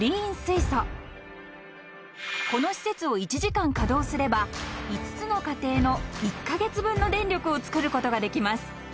［この施設を１時間稼働すれば５つの家庭の１カ月分の電力を作ることができます］